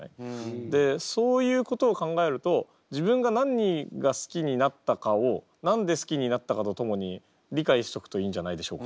でそういうことを考えると自分が何が好きになったかを何で好きになったかとともに理解しとくといいんじゃないでしょうか。